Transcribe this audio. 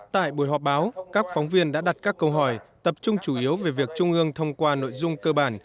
tại buổi họp báo các phóng viên đã đặt các câu hỏi tập trung chủ yếu về việc trung ương thông qua nội dung cơ bản